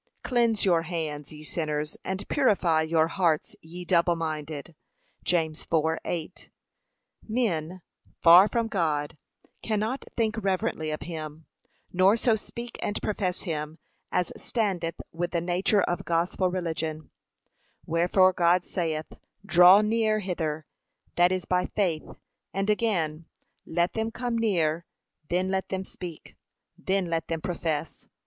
Cleanse your hands, ye sinners: and purify your hearts, ye double minded.' (James 4:8) Men, far from God, cannot think reverently of him, nor so speak and profess him, as standeth with the nature of gospel religion; wherefore God saith, draw near hither, that is by faith; and again, 'let them come near, then let them speak,' then let them profess.